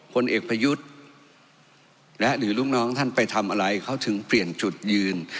ผลเอกประยุทธ์และหรือลูกน้องท่านไปทำอะไรเขาถึงเปลี่ยนจุดยืน